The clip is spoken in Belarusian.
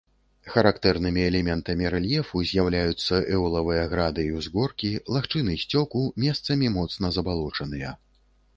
Характэрнымі элементамі рэльефу з'яўляюцца эолавыя грады і ўзгоркі, лагчыны сцёку, месцамі моцна забалочаныя.